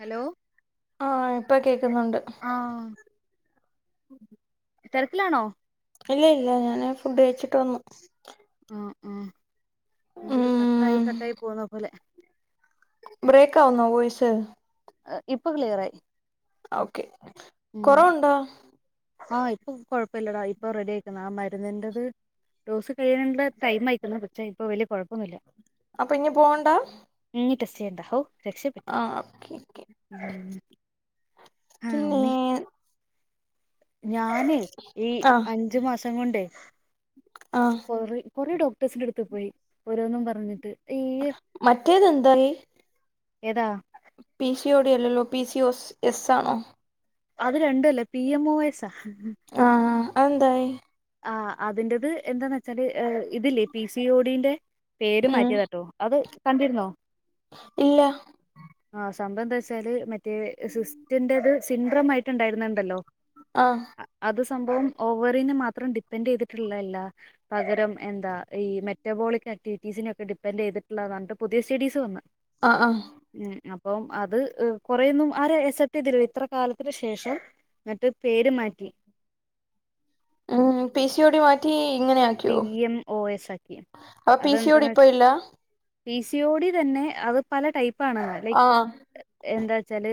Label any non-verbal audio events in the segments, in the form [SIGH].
Hello ആഹ് ഇപ്പ കേക്കുന്നുണ്ട് ആഹ് തെരക്കിലാണോ ഇല്ല ഇല്ല ഞാന് ഫുഡ് കഴിച്ചിട്ട് വന്നു ആഹ് ആഹ് എന്തൊരു കട്ടായി ഉം കട്ടായി പോന്ന പോലെ ബ്രേക്ക് ആവുന്നോ വോയിസ്? ഇപ്പൊ ക്ലിയറായി ആഹ് ഓക്കെ ഉം കൊറവൊണ്ടോ? ആഹ് ഇപ്പൊ കൊഴപ്പയില്ലടാ ഇപ്പൊ റെഡിയായിരിക്ക്ന്ന് ആ മരുന്നിൻ്റെത് ഡോസ് കഴിയാനുള്ള ടൈം ആയിരിക്കുന്നു പക്ഷെ ഇപ്പൊ വലിയ കുഴപ്പൊന്നുമില്ല അപ്പൊ ഇനി പോകണ്ട ഇനി ടെസ്റ്റ് ചെയ്യണ്ട ഹോ രക്ഷപ്പെട്ടു ഓക്കെ ഓക്കെ ആഹ് പിന്നെ അമ്മേ ഞാനെ ഈ ആഹ് അഞ്ചു മാസം കൊണ്ടേ ആഹ് കൊറെ കൊറെ ഡോക്ടേഴ്സിന്റെ എടുത്ത് പോയി ഓരോന്നും പറഞ്ഞിട്ട് അയ്യോ മറ്റേത് എന്തായി ഏതാ പിസിഓഡി അല്ലല്ലോ പി സി ഒസ് എസ് ആണോ അത് രണ്ടും അല്ല പി എം ഒ എസാ ആഹ് ആഹ് ആഹ് അതെന്തായി ആഹ് അതിന്റേത് എന്താന്ന് വെച്ചാല് ഇതില്ലേ പി സി ഓഡിന്റെ പേര് ഉം മാറ്റിയത് ആട്ടോ അത് കണ്ടിരുന്നോ ഇല്ല ആഹ് സംഭവം എന്താവേച്ചാല് മറ്റേ സിസ്റ്റിന്റേത് സിൻഡ്രം ആയിട്ട് ആയിട്ടുണ്ടാരുന്നുണ്ടല്ലോ ആഹ് അത് സംഭവം ഓവറിന്ന് മാ അത്രം ഡിപ്പെൻഡറ്റ് ചെയ്തിട്ടുള്ളല്ല പകരം എന്താ ഈ മെറ്റാബോളിക് ആക്ടിവിറ്റീസിനെ ഒക്കെ ഡിപ്പെൻഡറ്റ് ചെയ്തിട്ടുള്ള ഏതാണ്ട് പുതിയ സിഡീസ് വന്നു ആഹ് ആഹ് ഉം അപ്പം അത് കൊറെയൊന്നും ആരെ അസെപ്റ്റ് ചെയ്തില്ല ഇത്ര കാലത്തിന് ശേഷം എന്നിട്ട് പേര് മാറ്റി ആ പി സി ഓ ഡി മാറ്റി ഇങ്ങനെ ആക്കി പി എം ഒ എസ് ആക്കി പി സി ഓടി അതെന്താന്ന് ഇപ്പ വെച്ചാ ഇല്ല പി സി ഓ ഡി തന്നെ അത് പല ടൈപ്പ് ആണ് ലൈക്ക് ആഹ് എന്താ വച്ചാല്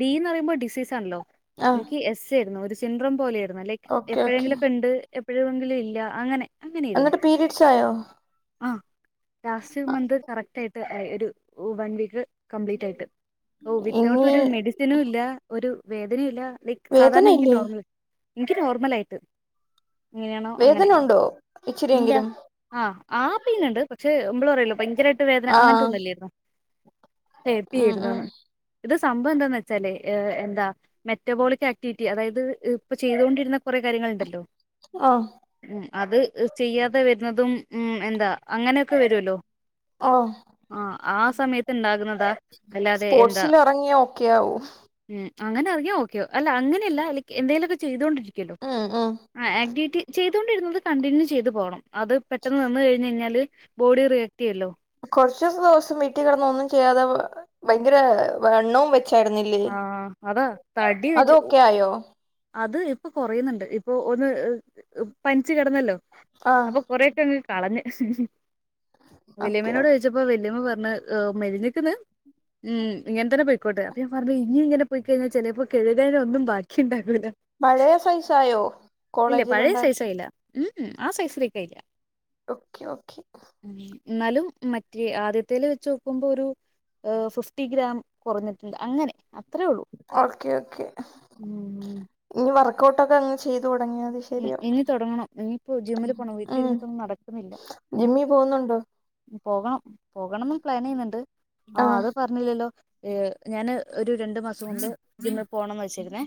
ഡി എന്ന് പറയുമ്പോ ഡിസീസ് ആണല്ലോ ആഹ് എനിക്ക് എസ് ആയിരുന്നു ഒരു യന്ത്രം പോലെ ആയിരുന്നു ലൈക്ക് എപ്പോഴെങ്കിലും ഓക്കെ ഉണ്ട് എപ്പോഴെങ്കിലും ഒക്കെ ഇല്ല അങ്ങനെ എന്നിട്ട് പീരിയഡ്സ് ആയോ ആഹ് ലാസ്റ്റ് മന്ത്‌ കറക്റ്റ് ആയിട്ട് ഒരു വൺ വീക്ക് കംപ്ലീറ്റ് ആയിട്ട് ഓഹ് വിത്ത്ഔട്ട് ഇനി ഒരു മെഡിസിനും ഇല്ല ഒരു വേദനയും ഇല്ല ലൈക്ക് സാധാരണ വേദന എനിക്ക് ഇല്ലേ നോർമൽ എനിക്ക് നോർമൽ ആയിട്ട് എങ്ങനെയാണോ വേദന ഉണ്ടോ ഇച്ചിരിയെങ്കിലും ആഹ് ആ പെയിനുണ്ട് പക്ഷേ നമ്മള് പറയില്ലേ ഭയങ്കരമായിട്ട് വേദന അങ്ങനത്തെ ആഹ് ഒന്നും ഇല്ലാരുന്നു ഉം ഹേപ്പിരുന്നു ഉം ഇത് സംഭവം എന്താന്ന് വെച്ചാലേ ഏഹ് എന്താ മെറ്റാബോളിക് ആക്ടിവിറ്റി അതായത് ഇപ്പൊ ചെയ്തൊണ്ടിരുന്ന കുറേ കാര്യങ്ങൾ ഉണ്ടല്ലോ ആഹ് ഉമ് അത് ചെയ്യാതെ വരുന്നതും ഉമ് എന്താ അങ്ങനൊക്കെ വരുവല്ലോ ഓ ഉണ്ടാകുന്നതാ സ്പോർട്സിൽ ഇറങ്ങിയാ ഒക്കെയാവും ഉമ് അങ്ങനെ ഇറങ്ങിയാ ഓക്കെ അല്ല അങ്ങനെയല്ല എന്തേലുമൊക്കെ ചെയ്തോണ്ടിരിക്കുമല്ലോ ഉം ഉം ആഹ് ആക്ടിവിറ്റി ചെയ്തുകൊണ്ടിരുന്നത് കണ്ടിന്യൂ ചെയ്ത് പോണം അത് പെട്ടെന്ന് നിന്ന് കഴിഞ്ഞാല് ബോഡി റിയാക് കിട്ടിയല്ലോ കുറച്ചു ദിവസം വീട്ടിൽ കിടന്ന് ഒന്നും ചെയ്യാതെ ഭയങ്കര വണ്ണവും ച്ചാട്ന്നില്ലേ ആഹ് അതാ തടി വെച്ച് അതൊക്കെ ആയോ അത് ഇപ്പൊ കൊറയുന്നുണ്ട് ഇപ്പൊ ഒന്ന് പനിച്ച് കിടന്നല്ലോ ആഹ് അപ്പൊ കൊറെ ങും കളഞ്ഞ് ഓക്കെ വല്യമനോട്ചോദി ഇതിപ്പ വെല്ലിമ്മ പറഞ്ഞ് മെലിഞ്ക്ക്ണ് ഉ ഇങ്ങനെ തന്നെ പോയിക്കോട്ടെ അപ്പൊ ഞാൻ പറഞ് ഇനി ഇങ്ങനെ പോയിക്കഴിഞ്ഞാൽ ചിലപ്പോ കെഴുകലൊ ഒന്നും ബാക്കി ഉണ്ടാകൂല്ല പഴയ സൈസായോ കോളേജിൽ ഉണ്ടാ യി ഉംഉം ആ സൈസ് റിക്കയില്ല ഓക്കെ ഓക്കേ ഉ എന്നാലും മറ്റേ ആദ്യത്തേല് വെച്ച് നോക്കുമ്പോ ഒരു ഹ് ഫിഫ്റ്റി ഗ്രാം കൊറഞ്ഞിട്ടില്ല അങ്ങനെ അത്രേ ഉള്ളൂ ഓക്കെ ഓക്കെ ഉം ഇഞ്ഞ് വർക്കഔട്ടൊക്കെ ങ്ങ് ചെയ്ത് തൊടങ്ങിയാ തി. ഇന്ന് തൊടങ്ങണം ഇഞ്ഞ്പ്പോ ജിമ്മില് പോണം ഉം വീട്ട്ല്ര്ന്ന്ട്ടൊന്നും നടക്ക്ന്നില്ല. ജിമ്മി പോകുന്നുണ്ടോ? പോകണം പോകണംന്ന് പ്ലാനെ യ്യ്ന്നുണ്ട് ആഹ് അത് പർഞ്ഞില്ലല്ലോ ഏഹ്. ഞാന് ഒരു രണ്ട് മാസം കൊണ്ട് ഇന്ന് പോണംന്ന് വെചേ ക്ക്ണെ.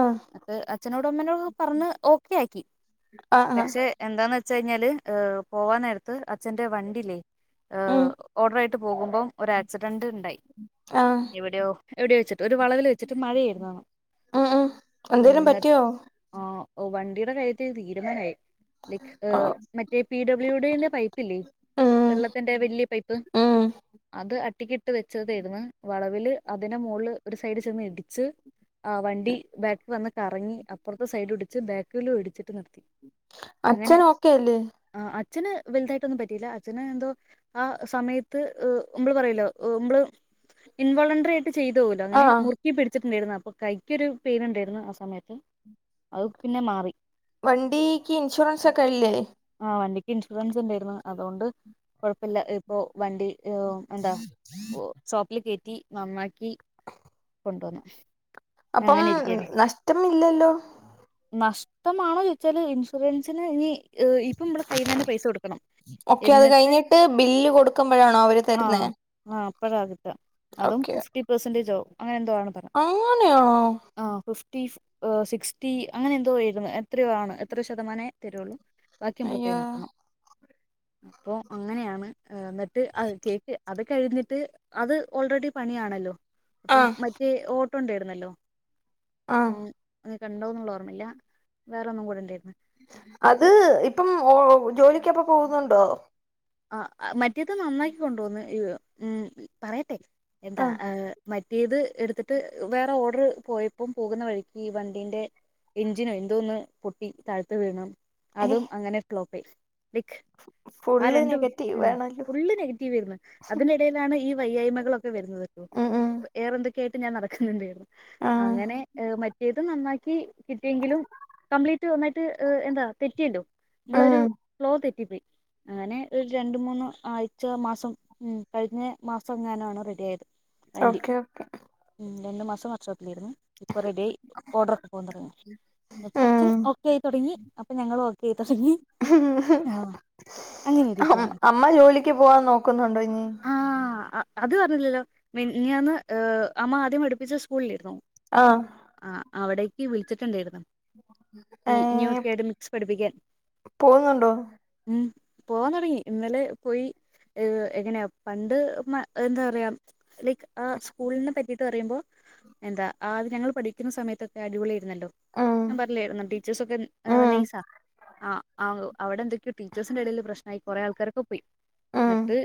ആഹ് ഹേ അച്ഛനോടും അമ്മനോടും പർഞ്ഞ് ഓക്കെ ആക്കി ആഹ് ആഹ് പക്ഷെ എന്താന്ന് വെച്ചയ്ഞ്ഞാൽ ഹ് പോവാൻ നേര്ത്ത് അച്ഛന്റെ വ ട്ടിലെ ഉം ഹ് ഓർഡർ ആയിട്ട് പോക്മ്പോം ഒരാക്സിഡന്റ് ണ്ടായി. ആഹ് എവിടെയോ എവിടെയോ വെച്ച്ട്ട് ഒരു വളവ്ൽ വെച്ച്ട്ട് മഴയേര് ന്നോണം. ആഹ് എന്തേലും പറ്റിയോ? ആ വണ്ടിടെ കാര്യത്ത് തീര്മാനായി ലെക്ക് ആഹ് മ പി പി ഡബ്ല്യുഡേന്റെ പൈപ്പി ല്ലേ? ഉം വെള്ളത്തിന്റെ വല്യ പൈപ്പ് ഉം അത് അട്ടിക്കിട്ട് വെച്ചതയ്ര്ന്ന് വളവില് അതിനെ മോള്ല് ഒരു സൈഡിൽ ചെന്ന് ഇടിച്ച് ആഹ് വണ്ടി ബാക്ക് വന്ന് കറങ്ങി അപ്പൊർത്തെ സൈഡ് ഇട്ച്ച് ബാക്കിലും ഇട്ച്ചിട്ട് നിർത്തി. അങ്ങനെ അച്ഛന് ഓക്കെയല്ലേ? ആഹ് അച്ഛന് വല്തായിട്ടൊന്ന് പ ഇല്ല അച്ഛന് എന്തോ ആഹ് സമയത്ത് ഹ് മ്മള് പറയല്ലോ ഹ് മ്മള് ഇൻവോളഡ്രിയിട്ട് ചെയ്തോവു ലോ അങ്ങനെ ആഹ് മു മുറുക്കി പിടിച്ചിട്ടുണ്ടായിരുന്നു പെട്ച്ച്ട്ട്ണ്ടാരുന്നു അപ്പൊ കൈക്കൊരു പെയിൻ ണ്ടായിരുന്നു ആഹ് സമയത്ത് അത് പിന്നെ മാറി. വണ്ടീക്ക് ഇൻഷുറൻസ് ഒക്കെ ല്ലേ? ആഹ് വണ്ടിക്ക് ഇൻഷുറൻസ് ഉണ്ടായിരുന്നു അതോണ്ട് കൊഴപ്പല്ല ഹ് പ്പോ വണ്ടി. യേഹോ എന്താ ഷോപ്പ്ൽ കേറ്റി നന്നാക്കി കൊണ്ടോന്നെ അപ്പം നഷ്ടം ഇല്ലല്ലോ? നഷ്ടമാണോ ചോയിച്ചാല് ഇൻഷുറൻസിന് ഇനി ഇപ്പ മ്മളെ കയ്യിന്നന്നെ പൈസ കൊടുക്കണം. ഓക്കെ അത് എന്നിട്ട് കഴിഞ്ഞിട്ട് ബില്ല് കൊടുക്കുമ്പോഴാണോ അവര് തര്ന്നേ? ആഹ് ആഹ് അപ്പഴാ കിട്ട അതും ഫിഫ്റ്റി പെർസന്റേജ് ആവും അങ്ങനെ എന്തോ ആണ് പറ അങ്ങനെയാണോ? ആഹ് ഫിഫ്റ്റി ഹ് സിക്സ്റ്റി അങ്ങനെ എന്തോ ഏയ്ന്ന് എത്രയോ ആണ് എത്ര ശതമാനെ തരുള്ളൂ. ബാക്കി മ്മള് അയ്യോ കൈന്ന എർക്കണം. അപ്പൊ അങ്ങനെയാണ് ഹ് ന്ന്ട്ട് അഹ് കേട്ട് അത് കഴിഞ്ഞിട്ട് അത് ഓൾറെഡി പണിയാണല്ലോ അപ്പം ആഹ് മ ഓട്ടോ ണ്ടായിര്ന്നല്ലോ ആഹ് ഉം അഹ് കണ്ടോ ന്ന്ള്ള ഓർമ്മല്ല വേറെന്നും കൂടെ ണ്ടായിരുന്നു. അത് ഇപ്പം ഓഹ് ജോലിക്കൊപ്പം പോവുന്നുണ്ടോ? ആഹ് മറ്റേത് നന്നായിക്കൊണ്ടോന്ന് ഹ് ഉം പറയട്ടെ എന്താ ആഹ് ഹ് മ ഇത് എട്ത്ത്ട്ട് വേറെ ഓർഡർ പോയപ്പം പോകുന്ന വഴിക്ക് ഈ വണ്ടിന്റെ എഞ്ചിനോ എന്തോന്ന് പൊട്ടി താഴ്ത്ത് വീണം ഏഹ് അതും അങ്ങനെ ഫ്ളോപ്പസ് ലൈക്ക് ആഹ് ഫുള്ള് രണ്ട് നെഗറ്റീവ് ഉം വേണല്ലോ ഫുള്ള് നെഗറ്റീവ് ആയിരുന്ന്. അതിൻ്റെടാലാണ് ഈ വയ്യായ്മകളൊക്കെ വരുന്നത് ഉം ഉം പ്പോ ഏറെ എന്തൊക്കെയായിട്ട് ഞാൻ നടക്ക്ന്ന്ണ്ടായിരുന്നു. ആഹ് അങ്ങനെ ഹ് മറ്റേത് നന്നാക്കി കിട്ടിയെങ്കിലും കംപ്ലീ റ്റ് നന്നായിട്ട് ഹ് എന്താ തെറ്റിയല്ലോ നമ്മളൊരു ഉം ഫ്ലോ തെറ്റിപ്പോയി. അങ്ങനെ ഒരു രണ്ട്, മൂന്ന് ആഴ്ച മാസം ഉം കഴിഞ്ഞ മാസം ങ്ങനാണ് റെഡി ആയത്. വണ്ടി ഓക്കേ ഓക്കേ ഉം രണ്ട് മാസം വർക്ക് ഷോപ്പിലായിരുന്നു ഇപ്പ റെഡി ആയി ഓർഡർ പ്പൊ ന്താണ്. ഉം [UNINTELLIGIBLE] ഓക്കെ ആയി തൊടങ്ങി അപ്പ ഞങ്ങളും ഓക്കെ ആയി തൊടങ്ങി. ഇരിക്കുന്നു അമ്മ ജോലിക്ക് പോവാൻ നോക്കുന്നുണ്ടോ ഇനി ആഹ് അത് പറഞ്ഞില്ലല്ലോ മനിഞ്ഞാന്ന് അമ്മ ആദ്യം പഠിപ്പിച്ച സ്കൂളിലെരുന്നോ ആഹ ആ അവിടേക്ക് വിളിച്ചിട്ടുണ്ടായിരുന്നു ന്യൂ ഏഹ് അക്കാഡമിക്സ് പഠിപ്പിക്കാൻ പോകുന്നുണ്ടോ ഉം പോവാൻ തോടങ്ങി ഇന്നലെ പോയി ഹെ എങ്ങനെയാ പണ്ട് മ എന്താ പറയാ ലൈക്ക് ആ സ്കൂളിനെ പറ്റിട്ട് പറയുമ്പോ എന്താ ആ ഞങ്ങൾ പഠിക്കു ന്ന സമയത്തൊക്ക അടിപൊളിയിരുന്നല്ലോ ഉം ഞാൻ പറഞ്ഞായിരുന്നു ടീച്ചേഴ്സ ഒക്കെ ഉം നൈസ ആ അവിടെ എന്തൊക്കെയോ ടീച്ചേഴ്സിന്റെ ഇടയില് പ്രശ്നയി കൊറേ ആൾക്കാരൊക്കെ പോയി ഉം എന്നിട്ട്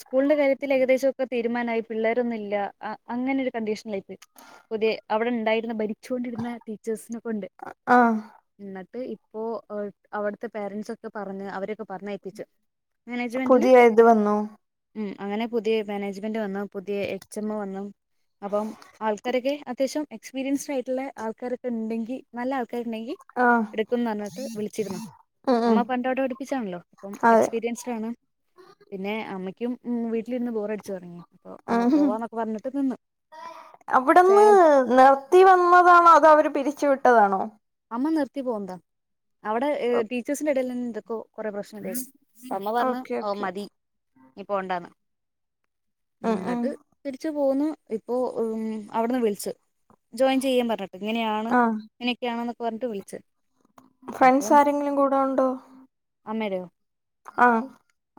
സ്കൂളിന്റെ കാര്യത്തിൽ ഏകദേശംക്കെ തീരുമാനായി പിള്ളേരൊന്നും ഇല്ല ആ അങ്ങനെ ഒരു കണ്ടീഷനില യി പുതിയ അവിടെ ഇണ്ടായിരുന്ന ഭരിചോണ്ടിരുന്ന ടീച്ചേഴ്സിനെ കൊണ്ട് ആഹ് എന്നിട്ട് ഇപ്പോ ഹെ അവിടാതെ പരന്റ്സ് ഒക്കെ പറഞ്ഞ് അവരൊക്കെ പറഞ്ഞയപ്പിച്ചു മാനേജ്മെറ്റിൽ പുതിയ ഇത് വന്നു ഉം അങ്ങനെ പുതിയ മാനേജ്മെന്റ് വന്ന പുതിയ എച്ച് എം വന്നും അപ്പം ആൾക്കാരൊക്കെ അ ത്യാവശ്യം എസ്പീരിയൻസ്ഡ് ആയിട്ടുള്ള ആൾക്കാരൊക്കെ ഇണ്ടെങ്കിൽ നല്ല ആൾക്കാരുണ്ടെങ്കിൽ ആഹ് എടുക്കുന്ന് പറഞ്ഞിട്ട് വിളിച്ചിരുന്നു ഉം ഉം അമ്മ പണ്ടോവിടെ പഠി പ്പിച്ചാണല്ലോ ഉം അതെ എക്സ്പീരിയൻസ് ആണ് പിന്നെ അമ്മയ്ക്കും വീട്ടിലിരുന്ന് ബോർ അടിച്ചു തുറങ്ങി അപ്പൊ അമ്മ ഉം പോവാന്നൊക്കെ പറഞ്ഞിട്ട് നിന്ന് അവിടുന്ന് ച്ചാൽ നിർത്തി വന്നതാണോ അതോ അവര് പിരിച്ചുവിട്ടതാണോ അമ്മ നിർത്തി പോകന്താ അവിടെ ഹെ ടീച്ചേഴ്സിന്റെ ഇടയിൽതന്നെ എന്തൊക്കെ കൊറെ പ്രശ്നം ണ്ടായി അമ്മ പറഞ്ഞ ഓക്കെ ഓ ഓക്കെ മതി ഇനി പോണ്ടാന്ന് ഉം ഉം എന്നിട്ട് തിരിച്ചു പോന്നു ഇപ്പോ ഉം അവിടുന്ന് വിളിച്ചു ജോയിൻ ചെയ്യൻ പറഞ്ഞിട്ട് ഇങ്ങനെയാണ് ആഹ് ക്കെ ആണ് പറഞ്ഞിട്ട് വിളിച് ഫ്രണ്ട്സ് ആരെങ്കിലും കൂടെ ഉണ്ടോ അന്നേരോ ആഹ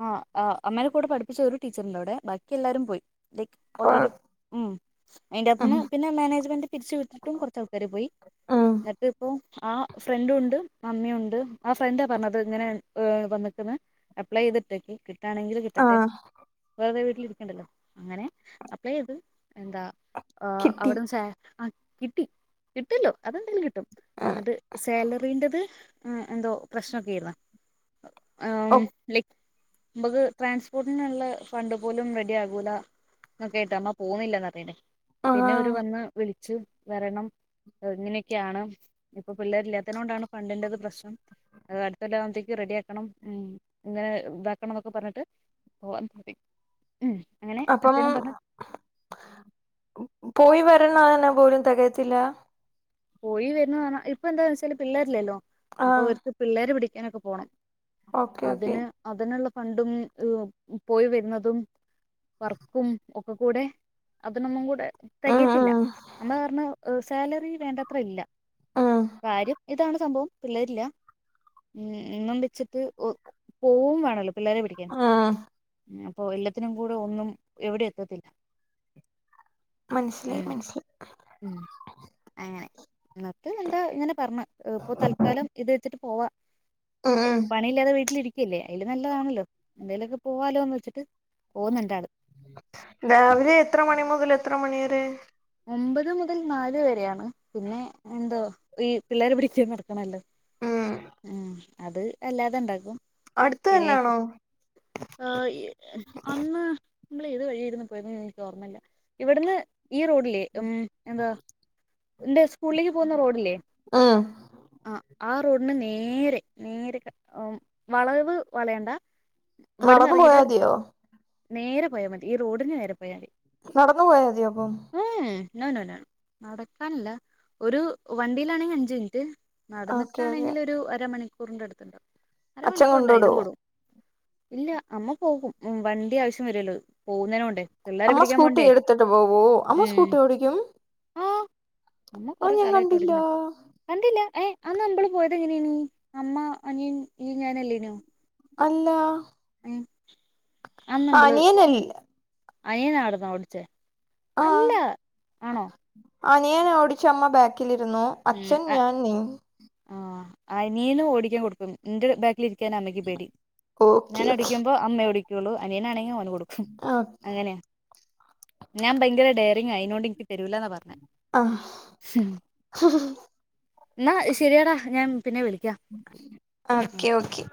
ആ ആ അമ്മേന്റെ കൂടെ പഠിപ്പിച്ച ഒരു ടീച്ചറിന്റെ അവിടെ ബാക്കി എല്ലാരും പോയി ലൈക് ഓൾറെഡി ഉം ഉം അതിന്റെയാകാത്ത്ന്ന് പിന്നെ മാനേജ്മെന്റ് പിരിച്ചവിടുത്തിട്ടും കുറച്ച് ആൾക്കാര് പോയി ഉം എന്നിട്ട് ഇപ്പോ ആ ഫ്രണ്ട ഉണ്ട് മമ്മിയുണ്ട് ആ ഫ്രണ്ട പറഞ്ഞത് ഇങ്ങനെ വന്നിക്കന്ന് അപ്ലൈ ചെയ്തിട്ടൊക്കി കിട്ടാണെങ്കിൽ കിട്ടട്ടെ ആഹ് വെറുതെ വീട്ടിലിരിക്കണ്ടല്ലോ അങ്ങനെ അപ്ലൈ ചെയ്ത് എന്താ ആ കിട്ടി അവിടുന്ന് ച്ചാ ആ കിട്ടി കിട്ടല്ലോ അതെന്തെയാലും കിട്ടും എന്നിട്ട് സാലറീന്റെത് ഹെ എന്തോ പ്രശ്നക്കെ ആയിരുന്നു ആം ഓഹ് ലൈക്ക് മ്മക്ക് ട്രാൻസ്പോർട്ടിനുള്ള ഫണ്ട് പോലും റെഡി ആകൂല എന്നൊക്കെ കേട്ടോ അമ്മ പോകു ന്നില്ലന്ന് പറന്നിനു പിന്നെ അവർ ആഹ് വന്ന് വിളിച്ചു വരണം ഹെ ഇങ്ങനെയൊക്കെയാണ് ഇപ്പൊ പിള്ളേർ ഇല്ലാത്തത് കൊണ്ടാണ് ഫാണ്ടിന്റെറത് പ്രശ്നം ഹെ അടുത്തല്ലാവകുമ്പഴത്തേക്ക് റെഡി ആക്കണം ഉം ഇങ്ങനെ ഇതാക്കണം എന്നൊക്കെ പറഞ്ഞിട്ട് ഓ ന്തി ഉം അങ്ങനെ അപ്പം അച്ഛനും പറഞ്ഞു പോയി വരണന്നെ പോലും തെകയത്തില്ല പോയി വരുന്ന പറഞ്ഞാ ഇപ്പൊ എന്താന്ന് വെച്ചാല് പിള്ളേരില്ലല്ലോ അപ്പൊ ആഹ് ഒർക്ക് പിള്ളേര് പിടിക്കാനൊക്കെ പോണം ഓക്കെ ഓക്കെ അതിന് അതിനുള്ള ഫണ്ടും ഏഹ് പോയി വരുന്നതും വർക്കും ഒക്കകൂടെ അതിനൊന്നും കൂടെ ഉം തെകിയത്തില്ല ഉം അമ്മപറഞ്ഞ സാലറി വേണ്ടത്ര ഇല്ല ഉം കാര്യം ഇതാണ് സംഭവം പിള്ളരില്ല ഉം എന്നും വെച്ചിട്ട് പോവും വേണല്ലോ പിള്ളേരെ പിടിക്കാൻ ഉം അപ്പൊ എല്ലാത്തിനും കൂടെ ഒന്നും എവിടെ എത്തത്തില്ല മനസ്സിലായി എന്ന് മനസ്സിലായി ഉം അങ്ങനെ എന്നിട്ട് എന്താ ഇങ്ങനെ പറഞ്ഞു ഇപ്പൊ തൽക്കാലം ഇതെച്ചിട്ട് പോവാ ഉം ഉം പ യില്ലാതെ വീട്ടിലിരിക്കല്ലേ അയില് നല്ലതാണല്ലൊ എന്തേലൊക്കെ പൂവാലോ എന്നോച്ചിട്ട് പോവുന്നൊണ്ടാള്. രാവിലെ എത്ര മണി മുതൽ എത്ര മണിവരെ. ഒമ്പത് മുതൽ നാല് വരെയാണ് പിന്നെ എന്തോ ഈ പിള്ളേരെ പിടിച്ച് നടക്കണല്ലോ. ഉം ആഹം അത് അല്ലാതെണ്ടാക്കും അടുത്ത് ശനിയാ തന്നാണോ ആയി അന്ന് നമ്മൾ ഏത് വഴിയാരുന്നു പോയത് എനിക്ക് ഓർമ്മല്ല. ഇവിട്ന്ന് ഈ റോഡ്. ഉം എന്താ ഉസ്കൂളിലേക്ക് പോവുന്ന റോഡില്ലെ ഉം അഹ് ആ റോഡിന് നേരെ നേരെക വളവ് വളയണ്ട. ഇവിട്ന്ന് നടന്നു എറങ്ങീട്ട് പോയാതിയോ നേരെ പോയാമതി ഈ റോഡിന് നേരെ പോയമതി. നടന്ന് പോയാമതിയൊ അപ്പം. ഏഹ് നൊ നോ നൊ നടക്കാനല്ല ഒരു വണ്ടിയിലാണെങ്കി അഞ്ച്മിനിറ്റ്. ഓക്കെ ഓക്കെ നടന്നിട്ടാണെങ്കില് ഒരു അരമണിക്കൂറിന്റെ അടുത്തുണ്ടാവും അച്ഛൻ അരമണിക്കൂറല്ല കൊണ്ടോടോ അയ്ലും കൂടും. ഇല്ല അമ്മ പോകും വണ്ടി ആവശ്യം വരൂല്ലോ പോവുന്നന് കൊണ്ടേ. അമ്മ സ്കൂട്ടി എടുത്തിട്ട് പോവോ അമ്മ ഉം സ്കൂട്ടി ഓടിക്കും. ആ അമ്മ കൊറെ അയ്ഞാൻ കാലായിട്ട് കണ്ടില്ലാ. ഓടിക്കുന്ന് കണ്ടില്ല എഹ് അന്ന നമ്മള് പോയത് എങ്ങനേനു അമ്മ അനിയൻ നി ഞാനല്ലേനു. അല്ല ഏഹ് അന്ന്മ്മള് അനിയനല്ല അനിയ്യ ന്നാരുനു ഓടിച്ചെ ആഹ് അനിയൻ ഓടിച്ച് അമ്മ ബാക്കിലിരുന്നു. ഉം അച്ഛൻ അ ഞാൻ നീ അനിയനു ഓടിക്കാൻ കൊടുക്കും എന്റെ ബാഗിലി രിക്കാൻ അമ്മക്ക്പേടി ഓക്കെ ഓക്കെ ഞാനോടിക്കുമ്പൊ അമ്മയോടിക്കൂള്ളു അനിയാണെങ്കി ഓന് കൊടുക്കു. ആഹ് അങ്ങനെയാ ഞാൻ ഭയങ്കര ഡെയറിങ അയ്നോണ്ട് എനിക്ക് തരൂലാന പറ അഹ് ഹ്ഹ്ഹ് എന്നാ ശരിയെടാ ഞാൻ പിന്നെ വിളിക്കാം. ആക്കെ ഓക്കെ